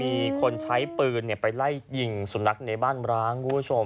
มีคนใช้ปืนไปไล่หญิงสุดนักในบ้านร้าง